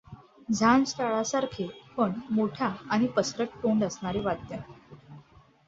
झांज टाळासारखे पण मोठ्या आणि पसरट तोंड असणारे वाद्य.